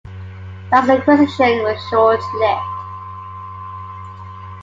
The acquisition was short-lived.